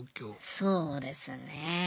そうですねえ。